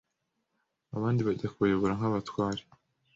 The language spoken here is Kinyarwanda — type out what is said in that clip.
Abandi bajya kubayobora nk'abatware